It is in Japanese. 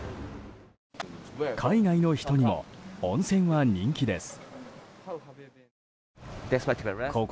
海外の人にも温泉は人気です。